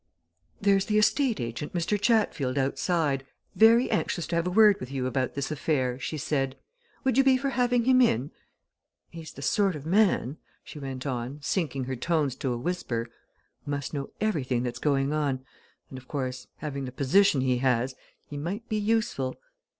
"There's the estate agent, Mr. Chatfield, outside, very anxious to have a word with you about this affair," she said. "Would you be for having him in? He's the sort of man," she went on, sinking her tones to a whisper, "who must know everything that's going on, and, of course, having the position he has, he might be useful.